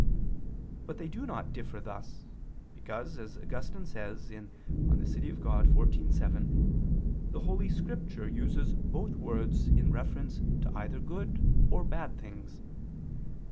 But they do not differ thus; because as Augustine says (De Civ. Dei xiv, 7) the holy Scripture uses both words in reference to either good or bad things.